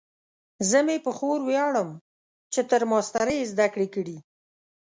زه مې په خور ویاړم چې تر ماسټرۍ یې زده کړې کړي